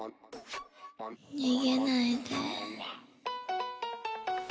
逃げないで。